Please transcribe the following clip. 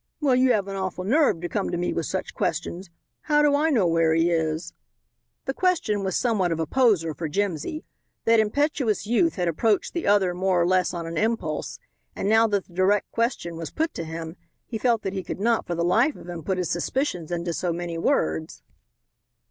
Well, you have an awful nerve to come to me with such questions. How do I know where he is?" This question was somewhat of a poser for Jimsy. That impetuous youth had approached the other more or less on an impulse, and now that the direct question was put to him he felt that he could not, for the life of him, put his suspicions into so many words.